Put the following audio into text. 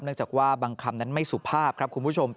จากว่าบางคำนั้นไม่สุภาพครับคุณผู้ชม